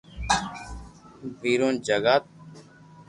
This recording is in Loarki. ویرون جگا